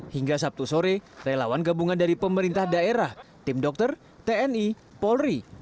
hingga sabtu sore relawan gabungan dari pemerintah daerah tim dokter tni polri